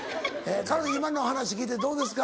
彼女今の話聞いてどうですか？